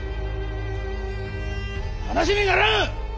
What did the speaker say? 話にならん！